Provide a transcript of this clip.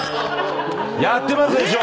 やってますでしょ！